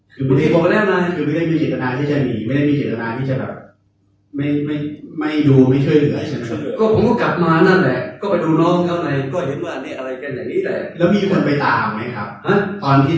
คือไม่ถึงเชะทะนะอย่างงี้